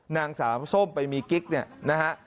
นางสาวส้มไปมีกิ๊กเนี่ยนะฮะ